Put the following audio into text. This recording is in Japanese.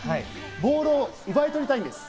ボールを奪い取りたいんです。